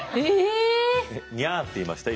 「にゃー」って言いました？